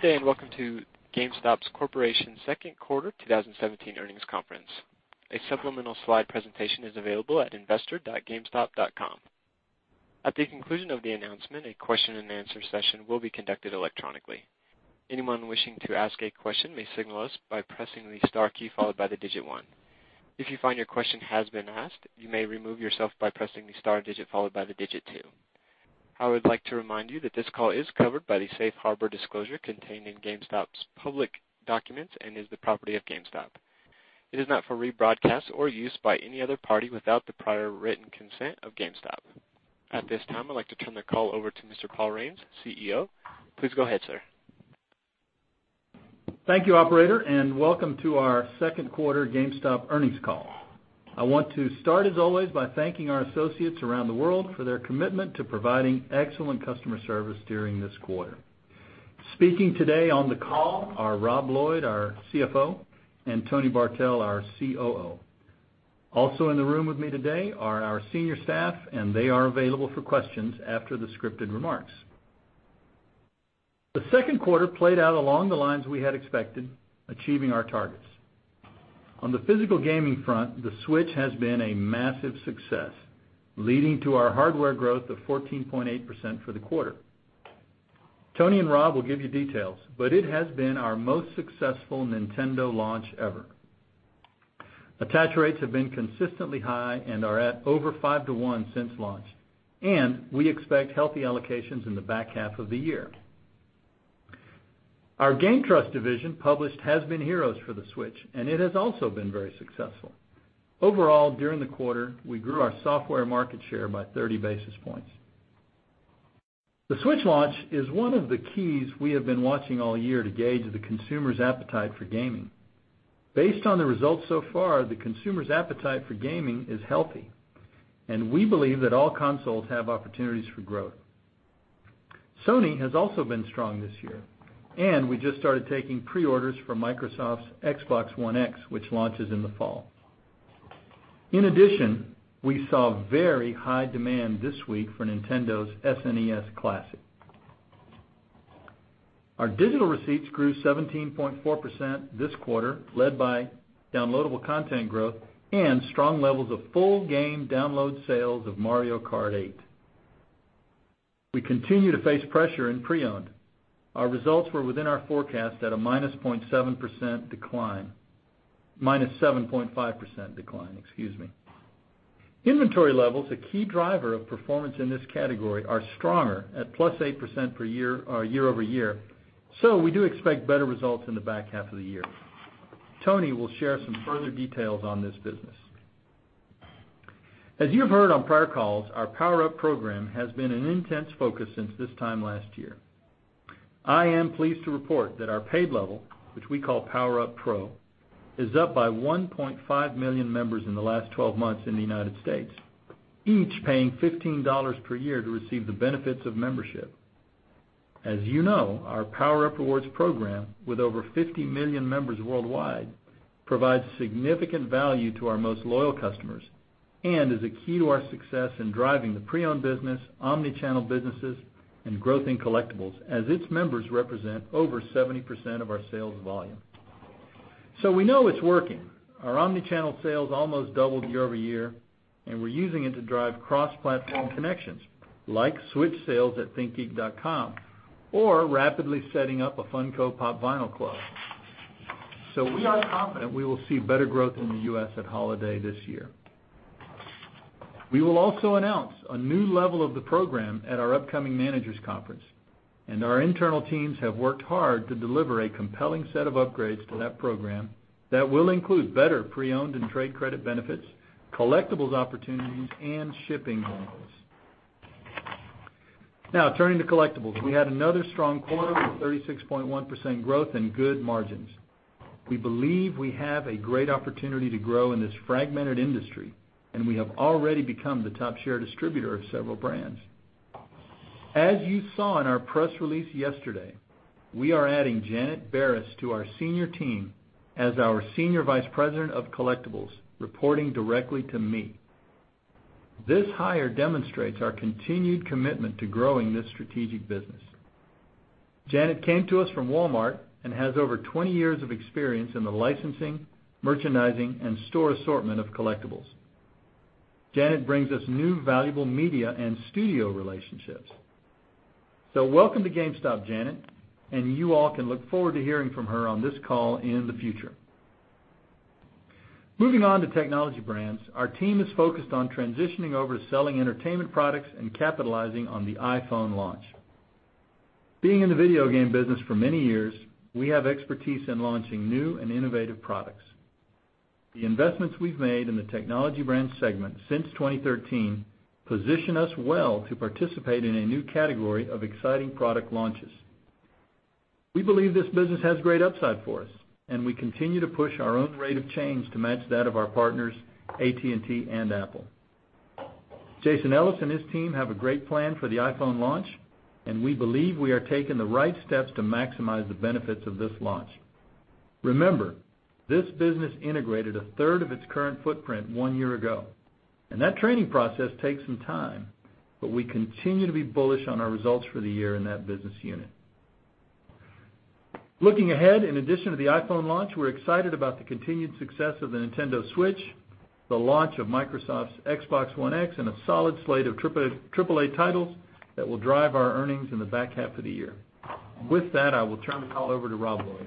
Good day, and welcome to GameStop Corp. second quarter 2017 earnings conference. A supplemental slide presentation is available at investor.gamestop.com. At the conclusion of the announcement, a question and answer session will be conducted electronically. Anyone wishing to ask a question may signal us by pressing the star key followed by the digit 1. If you find your question has been asked, you may remove yourself by pressing the star digit followed by the digit 2. I would like to remind you that this call is covered by the safe harbor disclosure contained in GameStop's public documents and is the property of GameStop. It is not for rebroadcast or use by any other party without the prior written consent of GameStop. At this time, I'd like to turn the call over to Mr. Paul Raines, CEO. Please go ahead, sir. Thank you, operator, and welcome to our second quarter GameStop earnings call. I want to start, as always, by thanking our associates around the world for their commitment to providing excellent customer service during this quarter. Speaking today on the call are Rob Lloyd, our CFO, and Tony Bartel, our COO. Also in the room with me today are our senior staff, and they are available for questions after the scripted remarks. The second quarter played out along the lines we had expected, achieving our targets. On the physical gaming front, the Switch has been a massive success, leading to our hardware growth of 14.8% for the quarter. Tony and Rob will give you details, but it has been our most successful Nintendo launch ever. Attach rates have been consistently high and are at over 5 to 1 since launch, and we expect healthy allocations in the back half of the year. Our GameTrust division published Has-Been Heroes for the Switch, and it has also been very successful. Overall, during the quarter, we grew our software market share by 30 basis points. The Switch launch is one of the keys we have been watching all year to gauge the consumer's appetite for gaming. Based on the results so far, the consumer's appetite for gaming is healthy, and we believe that all consoles have opportunities for growth. Sony has also been strong this year, and we just started taking pre-orders for Microsoft's Xbox One X, which launches in the fall. In addition, we saw very high demand this week for Nintendo's SNES Classic. Our digital receipts grew 17.4% this quarter, led by downloadable content growth and strong levels of full game download sales of Mario Kart 8. We continue to face pressure in pre-owned. Our results were within our forecast at a -7.5% decline. Inventory levels, a key driver of performance in this category, are stronger at +8% year-over-year. We do expect better results in the back half of the year. Tony will share some further details on this business. As you've heard on prior calls, our PowerUp program has been an intense focus since this time last year. I am pleased to report that our paid level, which we call PowerUp Pro, is up by 1.5 million members in the last 12 months in the U.S., each paying $15 per year to receive the benefits of membership. As you know, our PowerUp Rewards program, with over 50 million members worldwide, provides significant value to our most loyal customers and is a key to our success in driving the pre-owned business, omni-channel businesses, and growth in collectibles, as its members represent over 70% of our sales volume. We know it's working. Our omni-channel sales almost doubled year-over-year, and we're using it to drive cross-platform connections like Switch sales at thinkgeek.com, or rapidly setting up a Funko Pop! Vinyl club. We are confident we will see better growth in the U.S. at holiday this year. We will also announce a new level of the program at our upcoming managers conference, and our internal teams have worked hard to deliver a compelling set of upgrades to that program that will include better pre-owned and trade credit benefits, collectibles opportunities, and shipping bundles. Turning to collectibles. We had another strong quarter with 36.1% growth and good margins. We believe we have a great opportunity to grow in this fragmented industry, and we have already become the top share distributor of several brands. As you saw in our press release yesterday, we are adding Janet Bareis to our senior team as our Senior Vice President of Collectibles, reporting directly to me. This hire demonstrates our continued commitment to growing this strategic business. Janet came to us from Walmart and has over 20 years of experience in the licensing, merchandising, and store assortment of collectibles. Janet brings us new valuable media and studio relationships. Welcome to GameStop, Janet, and you all can look forward to hearing from her on this call in the future. Moving on to Technology Brands. Our team is focused on transitioning over to selling entertainment products and capitalizing on the iPhone launch. Being in the video game business for many years, we have expertise in launching new and innovative products. The investments we've made in the Technology Brands segment since 2013 position us well to participate in a new category of exciting product launches. We believe this business has great upside for us, and we continue to push our own rate of change to match that of our partners, AT&T and Apple. Jason Ellis and his team have a great plan for the iPhone launch, and we believe we are taking the right steps to maximize the benefits of this launch. Remember, this business integrated a third of its current footprint one year ago, that training process takes some time, but we continue to be bullish on our results for the year in that business unit. Looking ahead, in addition to the iPhone launch, we're excited about the continued success of the Nintendo Switch, the launch of Microsoft's Xbox One X, and a solid slate of AAA titles that will drive our earnings in the back half of the year. With that, I will turn the call over to Rob Lloyd.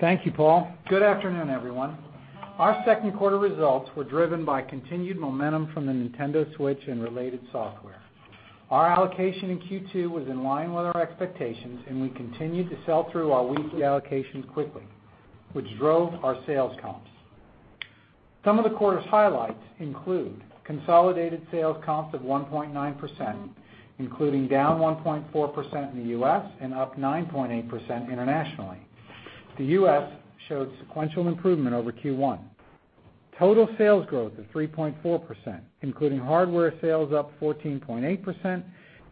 Thank you, Paul. Good afternoon, everyone. Our second quarter results were driven by continued momentum from the Nintendo Switch and related software. Our allocation in Q2 was in line with our expectations, and we continued to sell through our weekly allocations quickly, which drove our sales comps. Some of the quarter's highlights include consolidated sales comps of 1.9%, including down 1.4% in the U.S. and up 9.8% internationally. The U.S. showed sequential improvement over Q1. Total sales growth of 3.4%, including hardware sales up 14.8%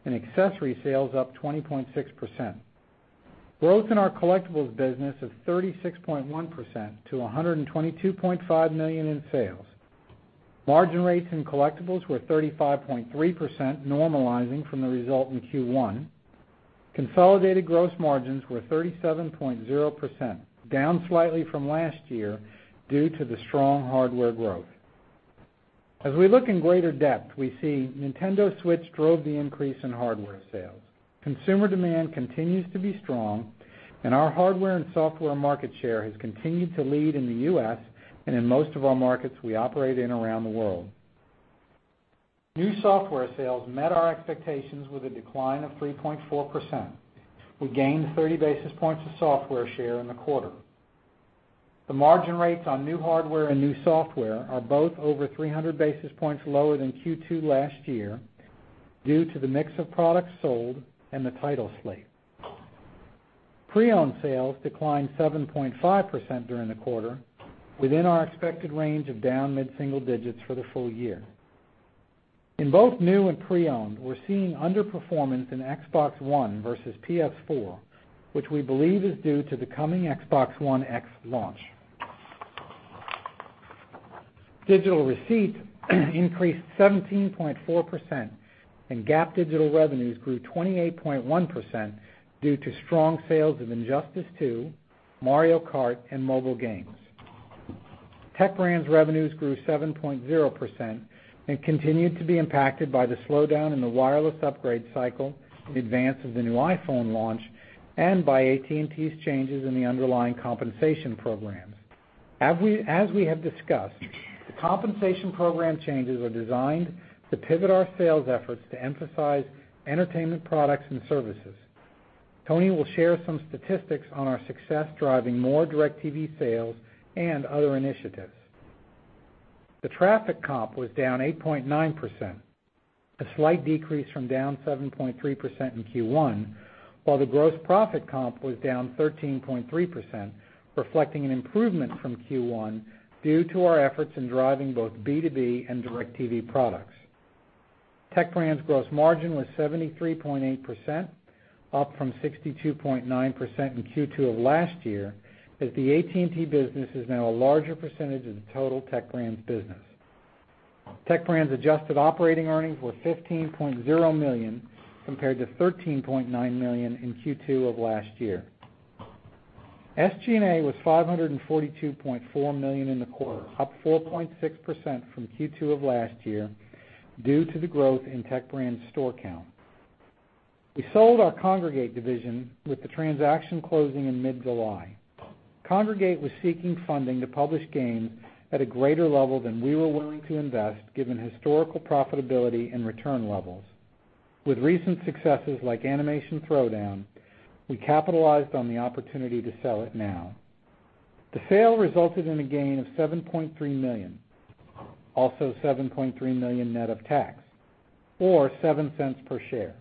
and accessory sales up 20.6%. Growth in our collectibles business of 36.1% to $122.5 million in sales. Margin rates in collectibles were 35.3%, normalizing from the result in Q1. Consolidated gross margins were 37.0%, down slightly from last year due to the strong hardware growth. As we look in greater depth, we see Nintendo Switch drove the increase in hardware sales. Consumer demand continues to be strong, and our hardware and software market share has continued to lead in the U.S. and in most of our markets we operate in around the world. New software sales met our expectations with a decline of 3.4%. We gained 30 basis points of software share in the quarter. The margin rates on new hardware and new software are both over 300 basis points lower than Q2 last year due to the mix of products sold and the title slate. Pre-owned sales declined 7.5% during the quarter, within our expected range of down mid-single digits for the full year. In both new and pre-owned, we're seeing underperformance in Xbox One versus PS4, which we believe is due to the coming Xbox One X launch. Digital receipts increased 17.4%, and GAAP digital revenues grew 28.1% due to strong sales of Injustice 2, Mario Kart, and mobile games. Tech Brands revenues grew 7.0% and continued to be impacted by the slowdown in the wireless upgrade cycle in advance of the new iPhone launch and by AT&T's changes in the underlying compensation programs. As we have discussed, the compensation program changes are designed to pivot our sales efforts to emphasize entertainment products and services. Tony will share some statistics on our success driving more DIRECTV sales and other initiatives. The traffic comp was down 8.9%, a slight decrease from down 7.3% in Q1, while the gross profit comp was down 13.3%, reflecting an improvement from Q1 due to our efforts in driving both B2B and DIRECTV products. Tech Brands gross margin was 73.8%, up from 62.9% in Q2 of last year, as the AT&T business is now a larger percentage of the total Tech Brands business. Tech Brands adjusted operating earnings were $15.0 million, compared to $13.9 million in Q2 of last year. SG&A was $542.4 million in the quarter, up 4.6% from Q2 of last year due to the growth in Tech Brands store count. We sold our Kongregate division, with the transaction closing in mid-July. Kongregate was seeking funding to publish games at a greater level than we were willing to invest, given historical profitability and return levels. With recent successes like Animation Throwdown, we capitalized on the opportunity to sell it now. The sale resulted in a gain of $7.3 million, also $7.3 million net of tax, or $0.07 per share.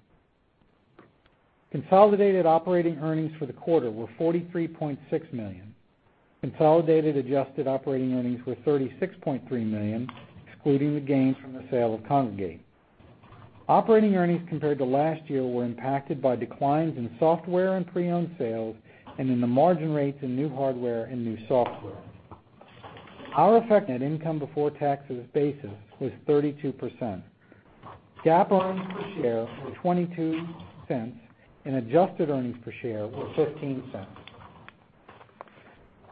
Consolidated operating earnings for the quarter were $43.6 million. Consolidated adjusted operating earnings were $36.3 million, excluding the gains from the sale of Kongregate. Operating earnings compared to last year were impacted by declines in software and pre-owned sales and in the margin rates in new hardware and new software. Our effective net income before taxes basis was 32%. GAAP earnings per share were $0.22, and adjusted earnings per share were $0.15.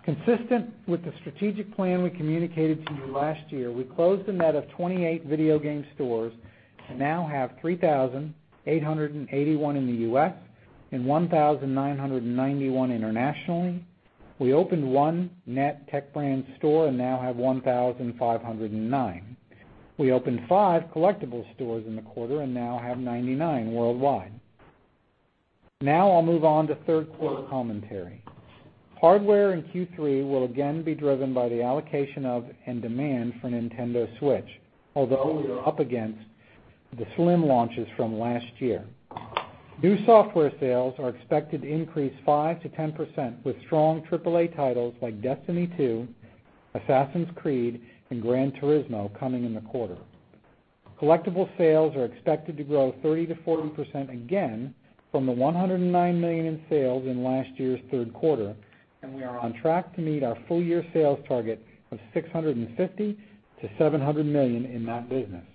Consistent with the strategic plan we communicated to you last year, we closed a net of 28 video game stores and now have 3,881 in the U.S. and 1,991 internationally. We opened one net Technology Brands store and now have 1,509. We opened five collectibles stores in the quarter and now have 99 worldwide. I'll move on to third quarter commentary. Hardware in Q3 will again be driven by the allocation of and demand for Nintendo Switch, although we are up against the slim launches from last year. New software sales are expected to increase 5%-10%, with strong AAA titles like Destiny 2, Assassin's Creed, and Gran Turismo coming in the quarter. Collectible sales are expected to grow 30%-40% again from the $109 million in sales in last year's third quarter, and we are on track to meet our full year sales target of $650 million-$700 million in that business.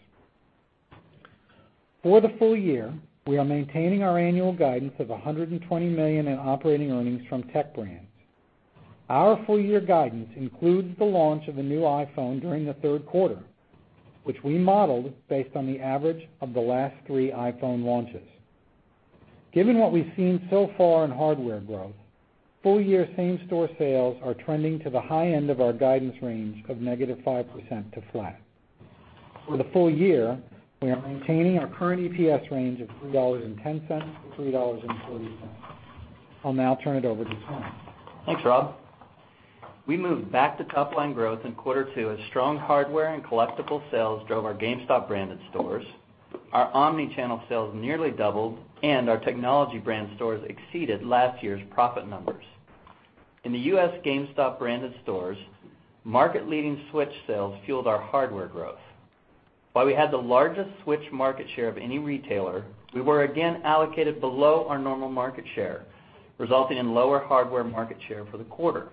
For the full year, we are maintaining our annual guidance of $120 million in operating earnings from Technology Brands. Our full year guidance includes the launch of a new iPhone during the third quarter, which we modeled based on the average of the last three iPhone launches. Given what we've seen so far in hardware growth, full year same-store sales are trending to the high end of our guidance range of negative 5% to flat. For the full year, we are maintaining our current EPS range of $3.10-$3.40. I'll now turn it over to Tony. Thanks, Rob. We moved back to top line growth in quarter two as strong hardware and collectible sales drove our GameStop branded stores. Our omni-channel sales nearly doubled and our Technology Brands stores exceeded last year's profit numbers. In the U.S. GameStop branded stores, market leading Switch sales fueled our hardware growth. While we had the largest Switch market share of any retailer, we were again allocated below our normal market share, resulting in lower hardware market share for the quarter.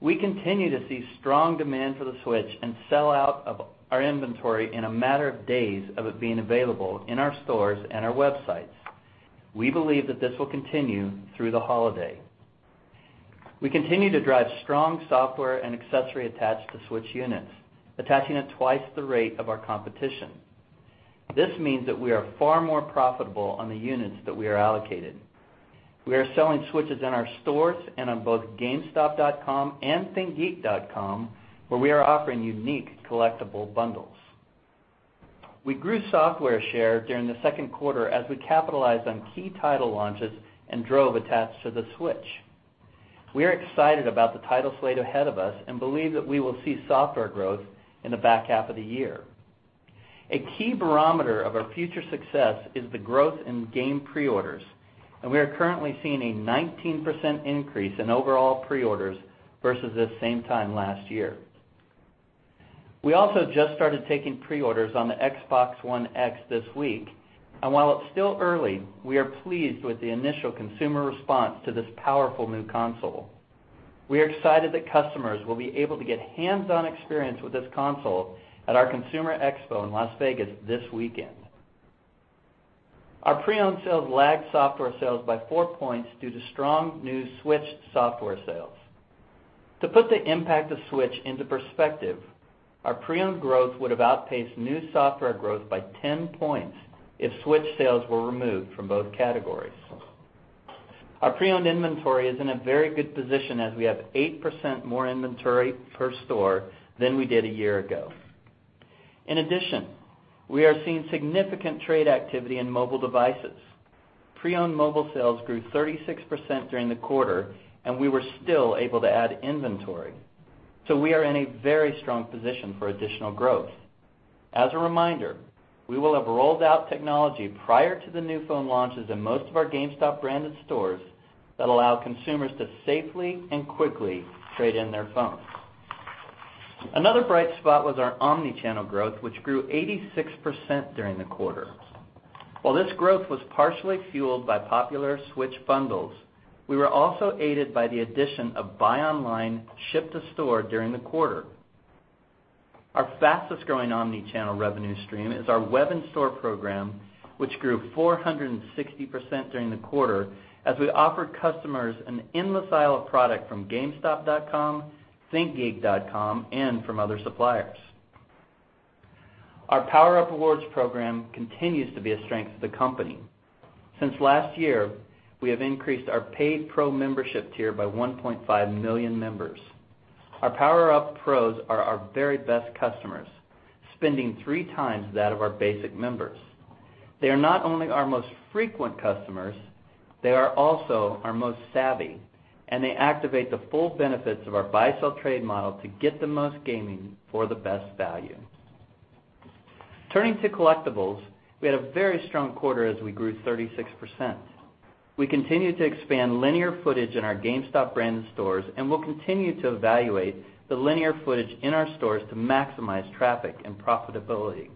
We continue to see strong demand for the Switch and sell out of our inventory in a matter of days of it being available in our stores and our websites. We believe that this will continue through the holiday. We continue to drive strong software and accessory attached to Switch units, attaching at twice the rate of our competition. This means that we are far more profitable on the units that we are allocated. We are selling Switches in our stores and on both gamestop.com and thinkgeek.com, where we are offering unique collectible bundles. We grew software share during the second quarter as we capitalized on key title launches and drove attached to the Switch. We are excited about the title slate ahead of us and believe that we will see software growth in the back half of the year. A key barometer of our future success is the growth in game pre-orders. We are currently seeing a 19% increase in overall pre-orders versus this same time last year. We also just started taking pre-orders on the Xbox One X this week. While it's still early, we are pleased with the initial consumer response to this powerful new console. We are excited that customers will be able to get hands-on experience with this console at our consumer expo in Las Vegas this weekend. Our pre-owned sales lagged software sales by four points due to strong new Switch software sales. To put the impact of Switch into perspective, our pre-owned growth would've outpaced new software growth by 10 points if Switch sales were removed from both categories. Our pre-owned inventory is in a very good position as we have 8% more inventory per store than we did a year ago. In addition, we are seeing significant trade activity in mobile devices. Pre-owned mobile sales grew 36% during the quarter. We were still able to add inventory. We are in a very strong position for additional growth. As a reminder, we will have rolled out technology prior to the new phone launches in most of our GameStop branded stores that allow consumers to safely and quickly trade in their phones. Another bright spot was our omni-channel growth, which grew 86% during the quarter. While this growth was partially fueled by popular Switch bundles, we were also aided by the addition of buy online, ship to store during the quarter. Our fastest growing omni-channel revenue stream is our web and store program, which grew 460% during the quarter as we offered customers an endless aisle of product from gamestop.com, thinkgeek.com, and from other suppliers. Our PowerUp Rewards program continues to be a strength to the company. Since last year, we have increased our paid Pro membership tier by 1.5 million members. Our PowerUp Pros are our very best customers, spending three times that of our basic members. They are not only our most frequent customers, they are also our most savvy. They activate the full benefits of our buy, sell, trade model to get the most gaming for the best value. Turning to collectibles, we had a very strong quarter as we grew 36%. We continue to expand linear footage in our GameStop branded stores and will continue to evaluate the linear footage in our stores to maximize traffic and profitability.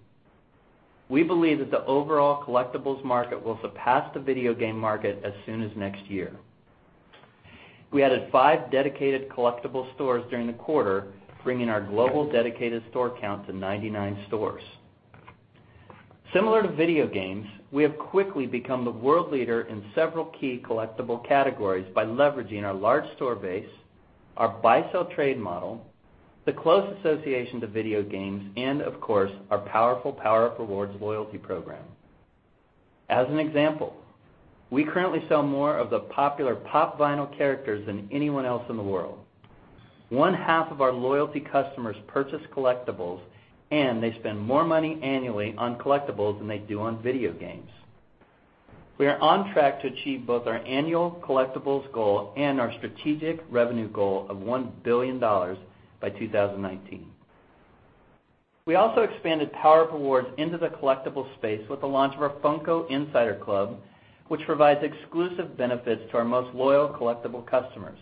We believe that the overall collectibles market will surpass the video game market as soon as next year. We added five dedicated collectible stores during the quarter, bringing our global dedicated store count to 99 stores. Similar to video games, we have quickly become the world leader in several key collectible categories by leveraging our large store base, our buy, sell, trade model, the close association to video games, and of course, our powerful PowerUp Rewards loyalty program. As an example, we currently sell more of the popular Pop! Vinyl characters than anyone else in the world. One half of our loyalty customers purchase collectibles, and they spend more money annually on collectibles than they do on video games. We are on track to achieve both our annual collectibles goal and our strategic revenue goal of $1 billion by 2019. We also expanded PowerUp Rewards into the collectible space with the launch of our Funko Insider Club, which provides exclusive benefits to our most loyal collectible customers.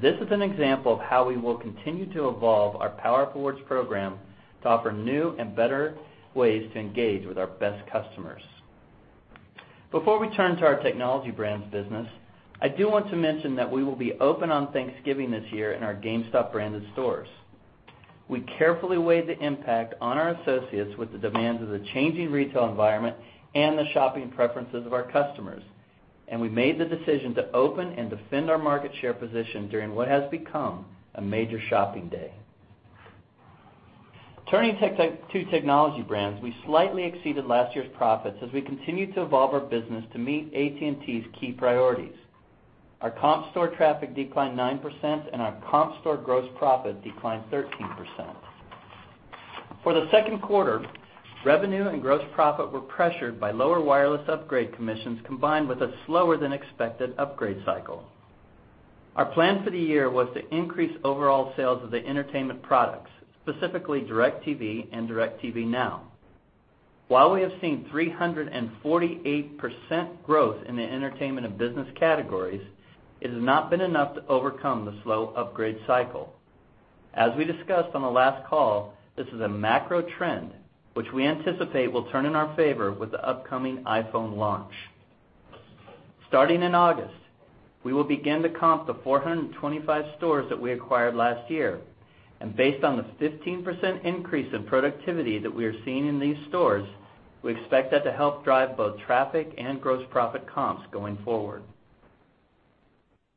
This is an example of how we will continue to evolve our PowerUp Rewards program to offer new and better ways to engage with our best customers. Before we turn to our Technology Brands business, I do want to mention that we will be open on Thanksgiving this year in our GameStop branded stores. We carefully weighed the impact on our associates with the demands of the changing retail environment and the shopping preferences of our customers. We made the decision to open and defend our market share position during what has become a major shopping day. Turning to Technology Brands, we slightly exceeded last year's profits as we continue to evolve our business to meet AT&T's key priorities. Our comp store traffic declined 9%. Our comp store gross profit declined 13%. For the second quarter, revenue and gross profit were pressured by lower wireless upgrade commissions, combined with a slower than expected upgrade cycle. Our plan for the year was to increase overall sales of the entertainment products, specifically DIRECTV and DIRECTV NOW. While we have seen 348% growth in the entertainment and business categories, it has not been enough to overcome the slow upgrade cycle. As we discussed on the last call, this is a macro trend which we anticipate will turn in our favor with the upcoming iPhone launch. Starting in August, we will begin to comp the 425 stores that we acquired last year. Based on the 15% increase in productivity that we are seeing in these stores, we expect that to help drive both traffic and gross profit comps going forward.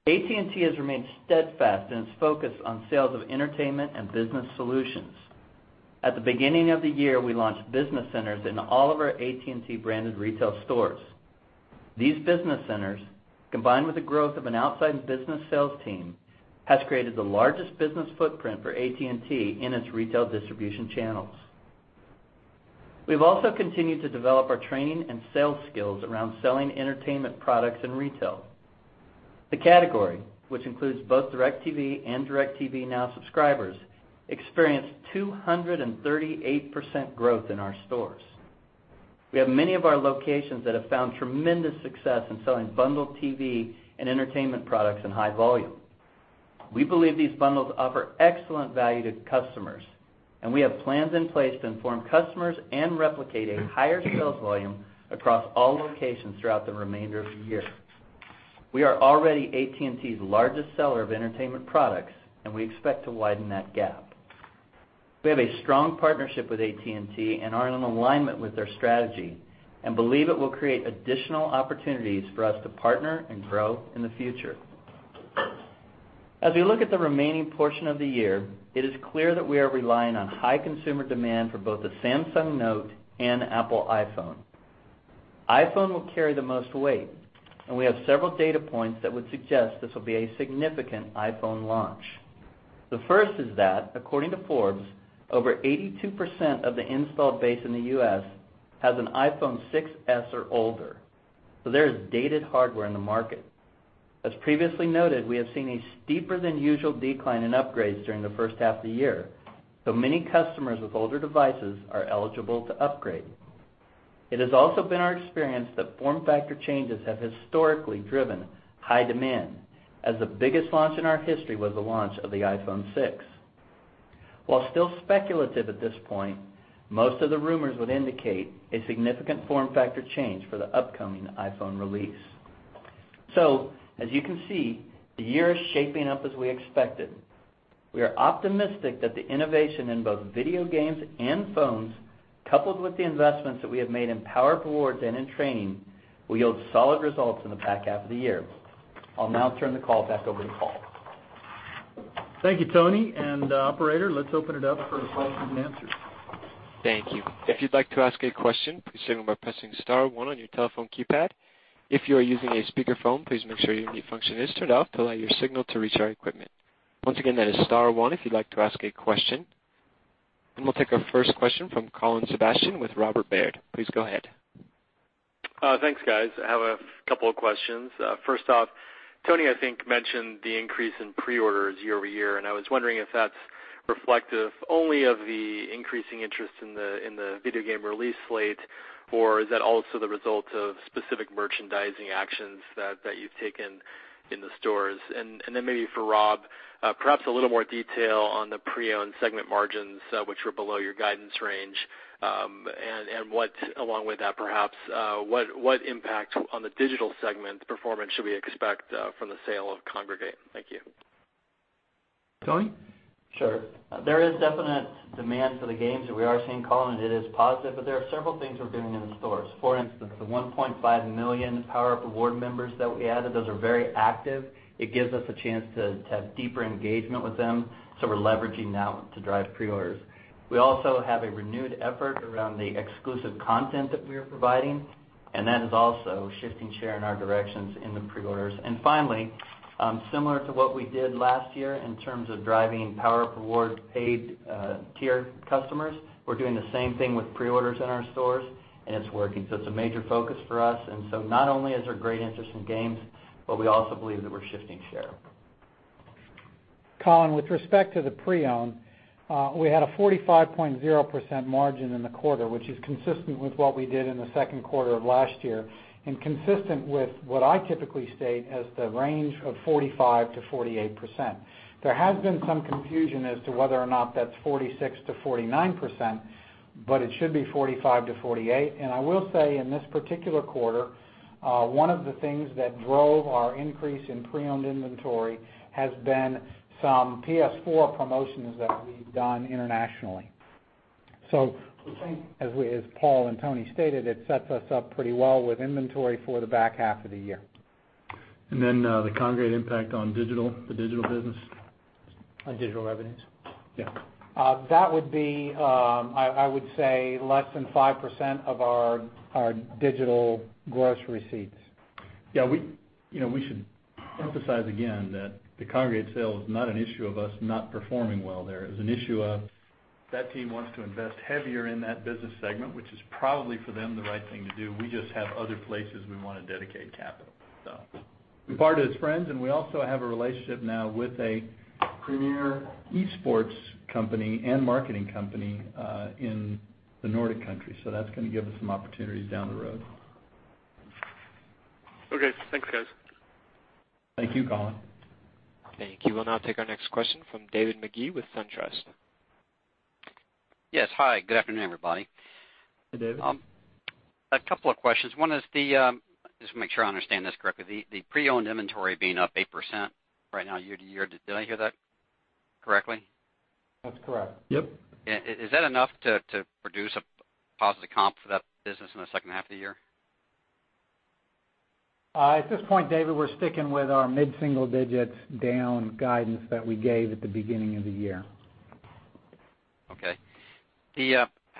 AT&T has remained steadfast in its focus on sales of entertainment and business solutions. At the beginning of the year, we launched business centers in all of our AT&T branded retail stores. These business centers, combined with the growth of an outside business sales team, has created the largest business footprint for AT&T in its retail distribution channels. We've also continued to develop our training and sales skills around selling entertainment products in retail. The category, which includes both DIRECTV and DIRECTV NOW subscribers, experienced 238% growth in our stores. We have many of our locations that have found tremendous success in selling bundled TV and entertainment products in high volume. We believe these bundles offer excellent value to customers. We have plans in place to inform customers and replicate a higher sales volume across all locations throughout the remainder of the year. We are already AT&T's largest seller of entertainment products. We expect to widen that gap. We have a strong partnership with AT&T and are in alignment with their strategy and believe it will create additional opportunities for us to partner and grow in the future. As we look at the remaining portion of the year, it is clear that we are relying on high consumer demand for both the Samsung Note and Apple iPhone. iPhone will carry the most weight, and we have several data points that would suggest this will be a significant iPhone launch. The first is that according to Forbes, over 82% of the installed base in the U.S. has an iPhone 6s or older. There is dated hardware in the market. As previously noted, we have seen a steeper than usual decline in upgrades during the first half of the year, though many customers with older devices are eligible to upgrade. It has also been our experience that form factor changes have historically driven high demand, as the biggest launch in our history was the launch of the iPhone 6. While still speculative at this point, most of the rumors would indicate a significant form factor change for the upcoming iPhone release. As you can see, the year is shaping up as we expected. We are optimistic that the innovation in both video games and phones, coupled with the investments that we have made in PowerUp Rewards and in training, will yield solid results in the back half of the year. I'll now turn the call back over to Paul. Thank you, Tony. Operator, let's open it up for questions and answers. Thank you. If you'd like to ask a question, please begin by pressing *1 on your telephone keypad. If you are using a speakerphone, please make sure your mute function is turned off to allow your signal to reach our equipment. Once again, that is *1 if you'd like to ask a question. We'll take our first question from Colin Sebastian with Robert Baird. Please go ahead. Thanks, guys. I have a couple of questions. First off, Tony, I think, mentioned the increase in pre-orders year-over-year, I was wondering if that's reflective only of the increasing interest in the video game release slate, or is that also the result of specific merchandising actions that you've taken in the stores? Maybe for Rob, perhaps a little more detail on the pre-owned segment margins, which were below your guidance range. What, along with that, perhaps, what impact on the digital segment performance should we expect from the sale of Kongregate? Thank you. Tony? Sure. There is definite demand for the games that we are seeing, Colin, and it is positive, but there are several things we're doing in the stores. For instance, the 1.5 million PowerUp Rewards members that we added, those are very active. It gives us a chance to have deeper engagement with them. We're leveraging that one to drive pre-orders. We also have a renewed effort around the exclusive content that we are providing, and that is also shifting share in our directions in the pre-orders. Finally, similar to what we did last year in terms of driving PowerUp Rewards paid tier customers, we're doing the same thing with pre-orders in our stores, and it's working. It's a major focus for us. Not only is there great interest in games, but we also believe that we're shifting share. Colin, with respect to the pre-owned, we had a 45.0% margin in the quarter, which is consistent with what we did in the second quarter of last year, and consistent with what I typically state as the range of 45%-48%. There has been some confusion as to whether or not that's 46%-49%, but it should be 45%-48%. I will say, in this particular quarter, one of the things that drove our increase in pre-owned inventory has been some PS4 promotions that we've done internationally. We think, as Paul and Tony stated, it sets us up pretty well with inventory for the back half of the year. The Kongregate impact on the digital business. On digital revenues? Yeah. That would be, I would say less than 5% of our digital gross receipts. Yeah. We should emphasize again that the Kongregate sale is not an issue of us not performing well there. It was an issue of that team wants to invest heavier in that business segment, which is probably for them the right thing to do. We just have other places we want to dedicate capital. We parted as friends, and we also have a relationship now with a premier esports company and marketing company, in the Nordic country. That's going to give us some opportunities down the road. Okay. Thanks, guys. Thank you, Colin. Thank you. We'll now take our next question from David Magee with SunTrust. Yes. Hi, good afternoon, everybody. Hey, David. Just to make sure I understand this correctly, the pre-owned inventory being up 8% right now year-to-year. Did I hear that correctly? That's correct. Yep. Is that enough to produce a positive comp for that business in the second half of the year? At this point, David, we're sticking with our mid-single digits down guidance that we gave at the beginning of the year.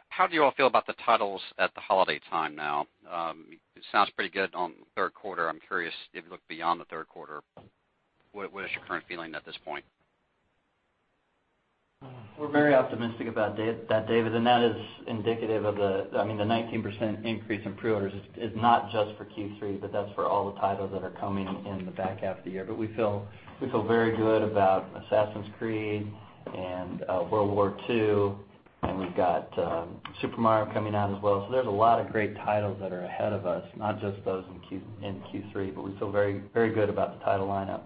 How do you all feel about the titles at the holiday time now? It sounds pretty good on the third quarter. I am curious if you look beyond the third quarter, what is your current feeling at this point? We're very optimistic about that, David, and that is indicative of the 19% increase in pre-orders is not just for Q3, but that's for all the titles that are coming in the back half of the year. But we feel very good about Assassin's Creed and World War II, and we've got Super Mario coming out as well. There's a lot of great titles that are ahead of us, not just those in Q3, but we feel very good about the title lineup.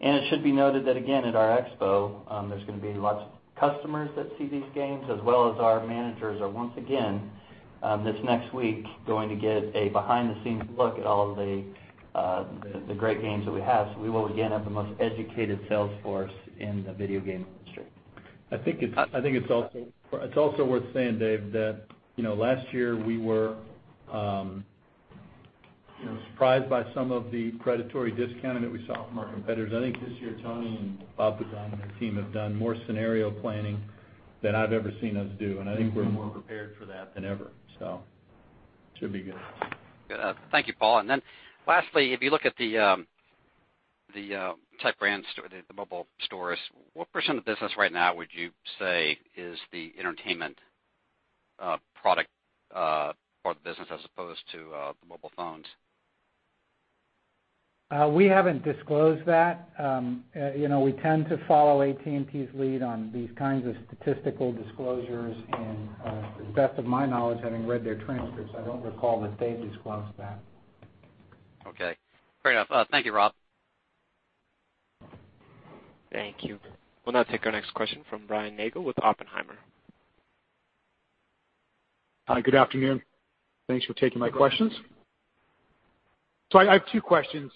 It should be noted that again, at our expo, there's going to be lots of customers that see these games as well as our managers are once again, this next week, going to get a behind-the-scenes look at all of the great games that we have. We will again have the most educated sales force in the video game industry. I think it's also worth saying, Dave, that last year we were surprised by some of the predatory discounting that we saw from our competitors. I think this year, Tony and Bob Puzon and their team have done more scenario planning than I've ever seen us do, and I think we're more prepared for that than ever. Should be good. Good. Thank you, Paul. Lastly, if you look at the Tech Brands, the mobile stores, what % of business right now would you say is the entertainment product part of the business as opposed to the mobile phones? We haven't disclosed that. We tend to follow AT&T's lead on these kinds of statistical disclosures, to the best of my knowledge, having read their transcripts, I don't recall that they disclosed that. Okay. Fair enough. Thank you, Rob. Thank you. We'll now take our next question from Brian Nagel with Oppenheimer. Hi, good afternoon. Thanks for taking my questions. I have two questions,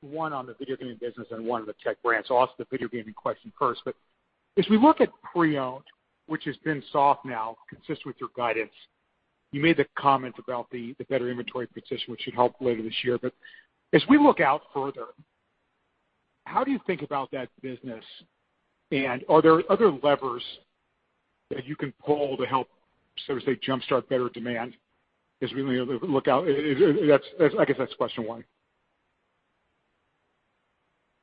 one on the video gaming business and one on the Tech Brands. I'll ask the video gaming question first, as we look at pre-owned, which has been soft now, consistent with your guidance, you made the comment about the better inventory position, which should help later this year. As we look out further, how do you think about that business? Are there other levers that you can pull to help, so to say, jumpstart better demand as we look out? I guess that's question one.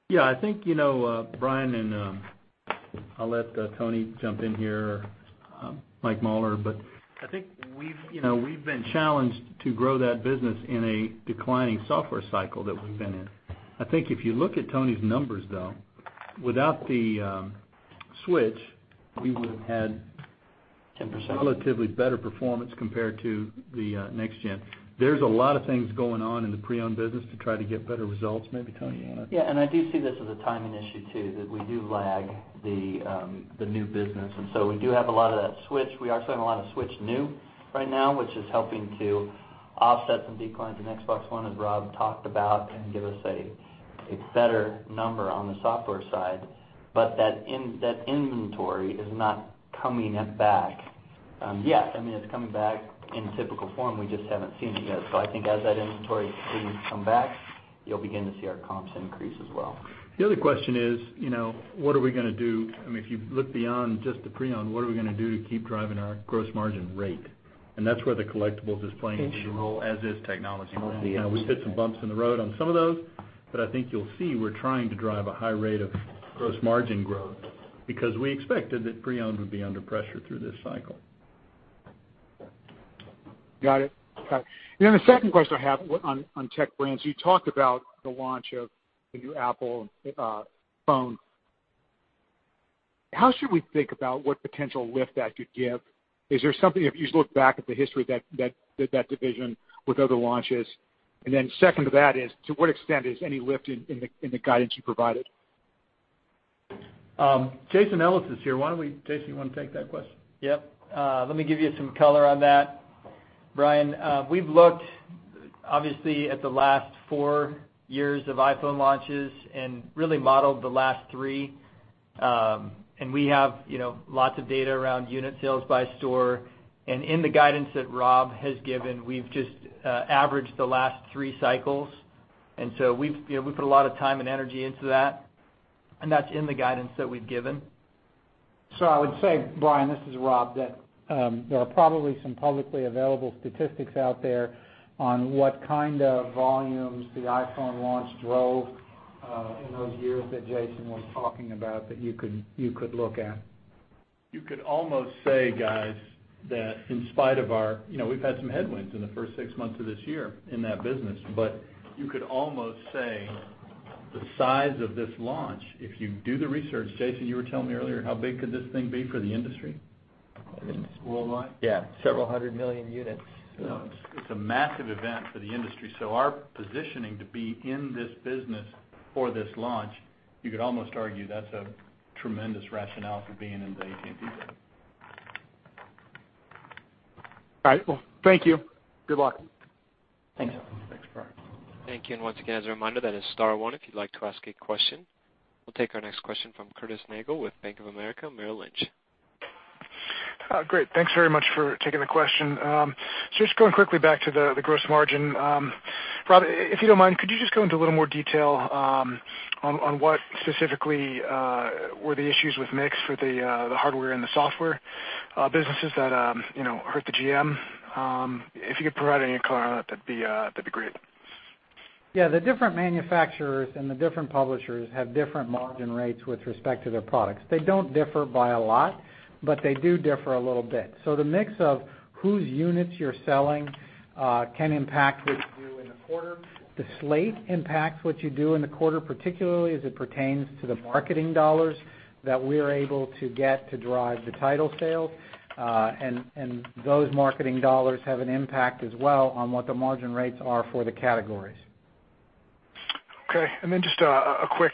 Yeah. I think Brian Nagel, I'll let Tony Bartel jump in here, Mike Mauler, I think we've been challenged to grow that business in a declining software cycle that we've been in. I think if you look at Tony Bartel's numbers, though, without the Switch, we would've had- 10% relatively better performance compared to the next gen. There's a lot of things going on in the pre-owned business to try to get better results. Maybe, Tony Bartel, you want to- Yeah, I do see this as a timing issue too, that we do lag the new business, we do have a lot of that Switch. We are selling a lot of Switch new right now, which is helping to offset some declines in Xbox One, as Rob Lloyd talked about, give us a better number on the software side. That inventory is not coming back yet. It's coming back in typical form. We just haven't seen it yet. I think as that inventory continues to come back, you'll begin to see our comps increase as well. The other question is, if you look beyond just the pre-owned, what are we going to do to keep driving our gross margin rate? That's where the Collectibles is playing a key role, as is Technology Brands. We've hit some bumps in the road on some of those, I think you'll see we're trying to drive a high rate of gross margin growth because we expected that pre-owned would be under pressure through this cycle. Got it. Okay. The second question I have on Technology Brands, you talked about the launch of the new Apple phone. How should we think about what potential lift that could give? Is there something, if you just look back at the history of that division with other launches? Then second to that is, to what extent is any lift in the guidance you provided? Jason Ellis is here. Jason, you want to take that question? Yep. Let me give you some color on that. Brian, we've looked, obviously, at the last 4 years of iPhone launches and really modeled the last 3. We have lots of data around unit sales by store. In the guidance that Rob has given, we've just averaged the last 3 cycles, and so we've put a lot of time and energy into that, and that's in the guidance that we've given. I would say, Brian, this is Rob, that there are probably some publicly available statistics out there on what kind of volumes the iPhone launch drove in those years that Jason was talking about that you could look at. You could almost say, guys, that we've had some headwinds in the first six months of this year in that business, you could almost say the size of this launch, if you do the research, Jason, you were telling me earlier, how big could this thing be for the industry? Worldwide? Yeah. Several hundred million units. It's a massive event for the industry. Our positioning to be in this business for this launch, you could almost argue that's a tremendous rationale for being in the AT&T deal. All right. Well, thank you. Good luck. Thanks. Thanks, Brian. Thank you. Once again, as a reminder, that is star one if you'd like to ask a question. We'll take our next question from Curtis Nagle with Bank of America Merrill Lynch. Great. Thanks very much for taking the question. Just going quickly back to the gross margin. Rob, if you don't mind, could you just go into a little more detail on what specifically were the issues with mix for the hardware and the software businesses that hurt the GM? If you could provide any color on that'd be great. Yeah. The different manufacturers and the different publishers have different margin rates with respect to their products. They don't differ by a lot, but they do differ a little bit. The mix of whose units you're selling can impact what you do in the quarter. The slate impacts what you do in the quarter, particularly as it pertains to the marketing dollars that we are able to get to drive the title sale. Those marketing dollars have an impact as well on what the margin rates are for the categories. Okay. Just a quick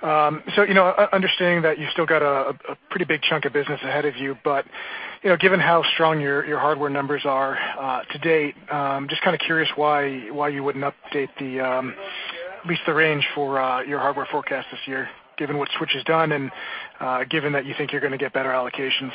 follow-up. Understanding that you still got a pretty big chunk of business ahead of you, given how strong your hardware numbers are to date, just kind of curious why you wouldn't update at least the range for your hardware forecast this year, given what Switch has done and given that you think you're going to get better allocations.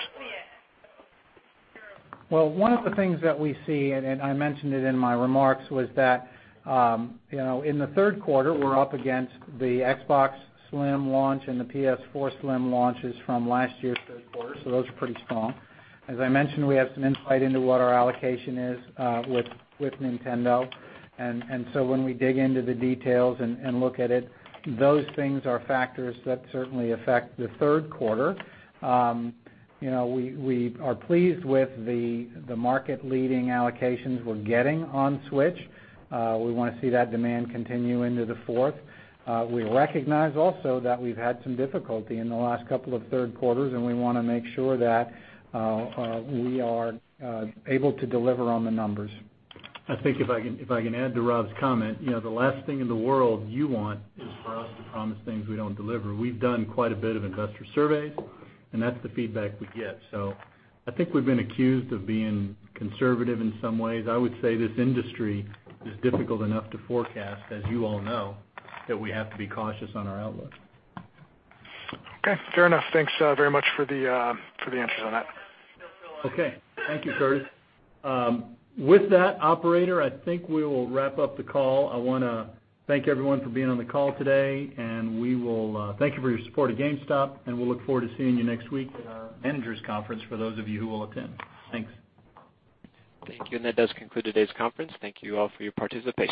Well, one of the things that we see, and I mentioned it in my remarks, was that in the third quarter, we're up against the Xbox Slim launch and the PlayStation 4 Slim launches from last year's third quarter. Those are pretty strong. As I mentioned, we have some insight into what our allocation is with Nintendo. When we dig into the details and look at it, those things are factors that certainly affect the third quarter. We are pleased with the market leading allocations we're getting on Switch. We want to see that demand continue into the fourth. We recognize also that we've had some difficulty in the last couple of third quarters, and we want to make sure that we are able to deliver on the numbers. I think if I can add to Rob's comment, the last thing in the world you want is for us to promise things we don't deliver. We've done quite a bit of investor surveys, that's the feedback we get. I think we've been accused of being conservative in some ways. I would say this industry is difficult enough to forecast, as you all know, that we have to be cautious on our outlook. Okay. Fair enough. Thanks very much for the answers on that. Okay. Thank you, Curtis. With that, operator, I think we will wrap up the call. I want to thank everyone for being on the call today, thank you for your support of GameStop, and we'll look forward to seeing you next week at our managers conference for those of you who will attend. Thanks. Thank you, and that does conclude today's conference. Thank you all for your participation.